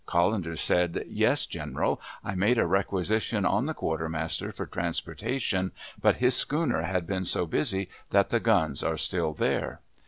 Callendar said "Yes, general. I made a requisition on the quartermaster for transportation, but his schooner has been so busy that the guns are still there."